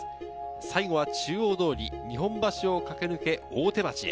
最後は中央通り、日本橋を駆け抜け、大手町へ。